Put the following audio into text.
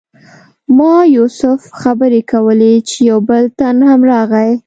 ما او یوسف خبرې کولې چې یو بل تن هم راغی.